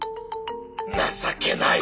情けない！